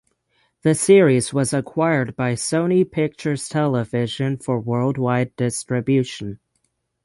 The series was acquired by Sony Pictures Television for worldwide distribution.